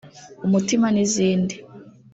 umutima n’izindi